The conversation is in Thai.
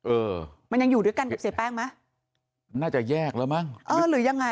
เออมันยังอยู่ด้วยกันกับเสียแป้งไหมน่าจะแยกแล้วมั้งเออหรือยังไง